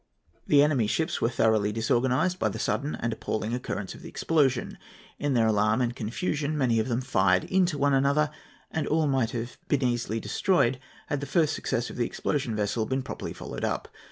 The enemy's ships were thoroughly disorganised by the sudden and appalling occurrence of the explosion. In their alarm and confusion, many of them fired into one another, and all might have been easily destroyed had the first success of the explosion vessel been properly followed up.